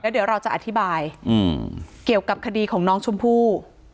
เดี๋ยวเราจะอธิบายเกี่ยวกับคดีของน้องชมพู่